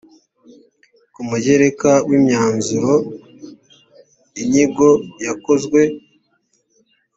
ku mugereka w imyanzuro inyigo yakozwe